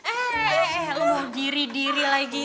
eh lu diri diri lagi